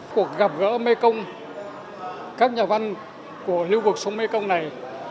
cuộc gặp gỡ mê công các nhà văn của lưu vực sông mê công này